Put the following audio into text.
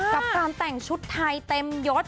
กับการแต่งชุดไทยเต็มยศ